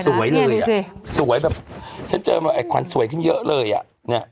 สวยเลยอ่ะสวยแบบฉันเจอมาไอ้ขวัญสวยขึ้นเยอะเลยอ่ะเนี้ย